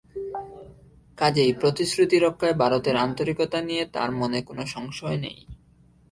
কাজেই প্রতিশ্রুতি রক্ষায় ভারতের আন্তরিকতা নিয়ে তাঁর মনে কোনো সংশয় নেই।